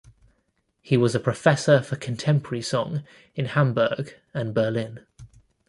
He was a professor for contemporary song in Hamburg and Berlin.